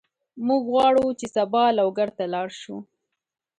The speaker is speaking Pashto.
موږ غواړو چې سبا لوګر ته لاړ شو.